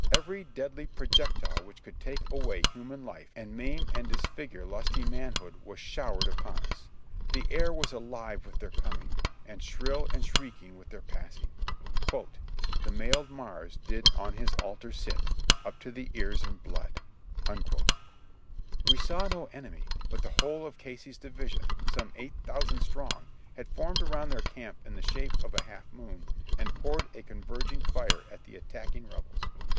Every deadly projectile which could take away human life and maim and disfigure lusty manhood was showered upon us. The air was alive with their coming, and shrill and shrieking with their passing. "The mailed Mars did on his altar sit, Up to the ears in blood." We saw no enemy, but the whole of Casey's division, some eight thousand strong, had formed around their camp in the shape of a half moon, and poured a converging fire at the attack ing Rebels.